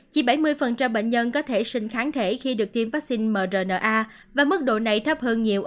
chỉ bảy mươi bệnh nhân có thể sinh kháng thể khi được tiêm vaccine mrna và mức độ này thấp hơn nhiều